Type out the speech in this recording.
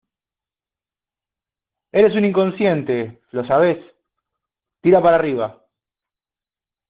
eres un inconsciente, ¿ lo sabes? tira para arriba.